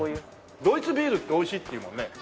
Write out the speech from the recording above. ドイツビールって美味しいっていうもんね。